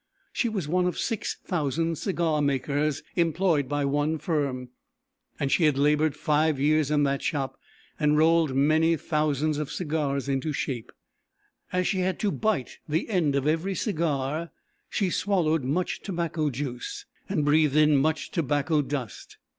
She was one of six thousand cigar makers employed by one firm, and she had laboured five years in that shop and rolled many thousands of cigars into shape. As she had to bite the end of every cigar, she swallowed much tobacco juice, and breathed in much tobacco dust.